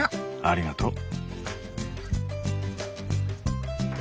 ありがとう。